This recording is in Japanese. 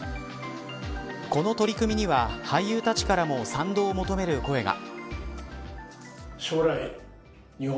この取り組みには俳優たちからも賛同を求める声が。